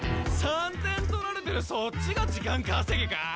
３点取られてるそっちが時間稼ぎか？